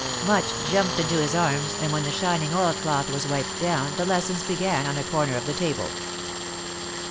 Much jumped into his arms, and W'hen the shining oil cloth was wiped down, the lessons began on a corner of the table.